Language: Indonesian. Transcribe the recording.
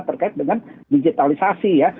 terkait dengan digitalisasi ya